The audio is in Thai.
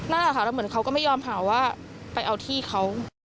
นั่นแหละค่ะแล้วเหมือนเขาก็ไม่ยอมหาว่าไปเอาที่เขา